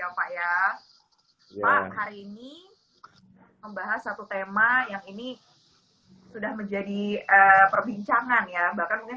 ya pak ya pak hari ini membahas satu tema yang ini sudah menjadi perbincangan ya bahkan mungkin